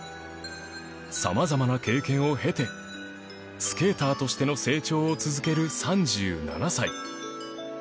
様々な経験を経てスケーターとしての成長を続ける３７歳